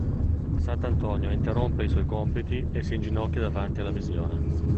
San Antonio interrompe i suoi compiti e si inginocchia davanti alla visione.